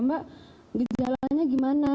mbak gejalanya gimana